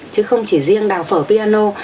chứ không chỉ riêng đào phở piano